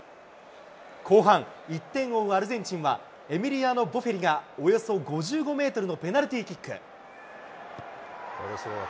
後半、１点を追うアルゼンチンは、エミリアノ・ボフェリがおよそ５５メートルのペナルティキック。